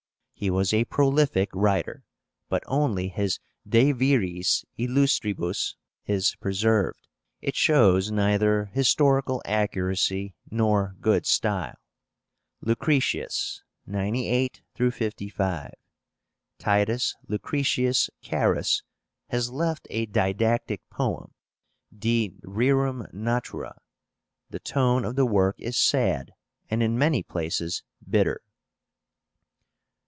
He was a prolific writer, but only his De Viris Illustribus is preserved. It shows neither historical accuracy nor good style. LUCRETIUS (98 55). TITUS LUCRETIUS CARUS has left a didactic poem, De Rerum Natura. The tone of the work is sad, and in many places bitter.